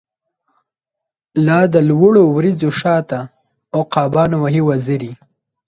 لا د لوړو وریځو شا ته، عقابان وهی وزری